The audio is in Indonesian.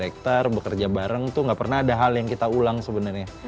karena kita bekerja bareng tuh gak pernah ada hal yang kita ulang sebenarnya